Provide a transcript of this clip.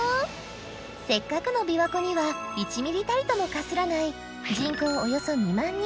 せっかくの琵琶湖には１ミリたりともかすらない人口およそ２万人。